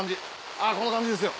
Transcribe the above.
あぁこの感じですよ。